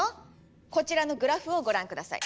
こちらのグラフをご覧ください。